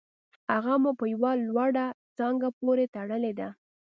هغه مو په یوه لوړه څانګه پورې تړلې ده